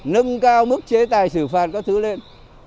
nâng cao mức chế tài xử phạt các thứ lên